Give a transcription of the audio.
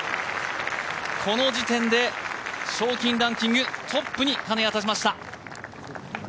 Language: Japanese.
この時点で賞金ランキングトップに、金谷立ちました。